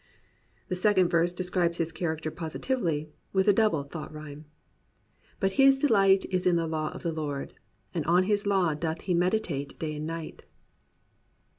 The second verse describes his character positively, with a double thought rhyme. But his delight is in the law of the Lord; And in his law doth he meditate day and night.